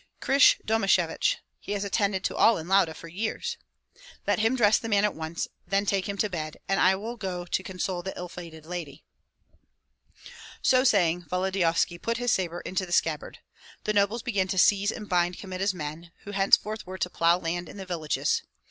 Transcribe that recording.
"Krysh Domashevich. He has attended to all in Lauda for years." "Let him dress the man at once, then take him to bed, and I will go to console the ill fated lady." So saying, Volodyovski put his sabre into the scabbard. The nobles began to seize and bind Kmita's men, who henceforth were to plough land in the villages.